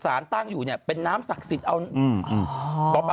สารตั้งอยู่เนี่ยเป็นน้ำศักดิ์ศิลป์